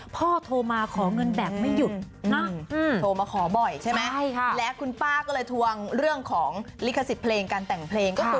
โทรมาขอเงินแบบไม่หยุดโทรมาขอบ่อยใช่ไหมและคุณป้าก็เลยทวงเรื่องของลิขสิทธิ์เพลงการแต่งเพลงก็คือ